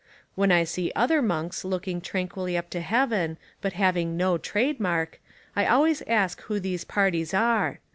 When I see other monks looking tranquilly up to heaven but having no trademark, I always ask who these parties are.